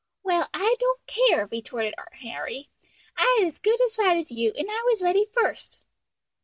"Well, I don't care," retorted Harry, "I'd as good a right as you, and I was ready first."